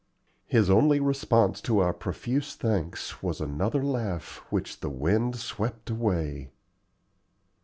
His only response to our profuse thanks was another laugh, which the wind swept away.